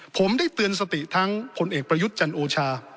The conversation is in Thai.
ผมได้เตือนสติทั้งผลเอกประยุทธ์จันโอชา